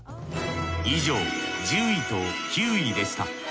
以上１０位と９位でした。